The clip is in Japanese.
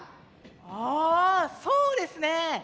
ああそうですね！